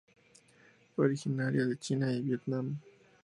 Originaria de China y Vietnam.